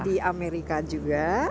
di amerika juga